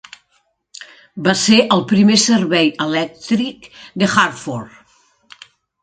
Va ser el primer servei elèctric de Hartford.